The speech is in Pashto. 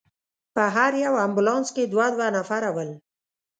په هر یو امبولانس کې دوه دوه نفره ول.